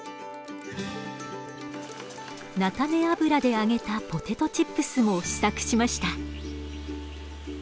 菜種油で揚げたポテトチップスも試作しました。